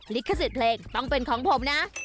ลิขสิทธิ์เพลงต้องเป็นของผมนะ